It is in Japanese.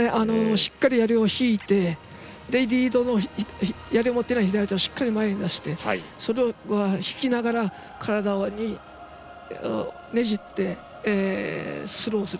しっかり、やりを引いてやりを持っている左手をしっかり前に出してそれを引きながら体をねじってスローする。